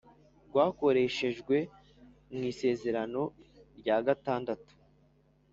rwakoreshejwe mu Isezerano rya gatandatu